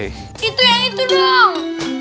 itu yang itu dong